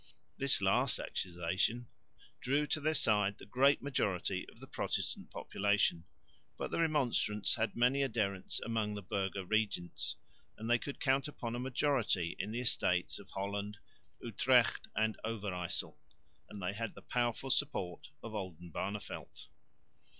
This last accusation drew to their side the great majority of the Protestant population, but the Remonstrants had many adherents among the burgher regents, and they could count upon a majority in the Estates of Holland, Utrecht and Overyssel, and they had the powerful support of Oldenbarneveldt.